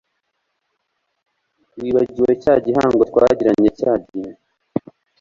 wibagiwe cya gihango twagiranye cyagihe